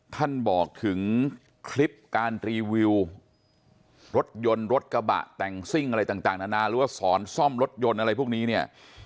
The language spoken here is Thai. ท่านบอกถึงคลิปการรีวิวรถยนต์รถกระบะแต่งซิ่งอะไรต่างนานาหรือว่าสอนซ่อมรถยนต์อะไรพวกนี้เนี่ย